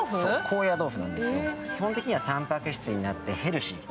基本的にはたんぱく質になってヘルシー。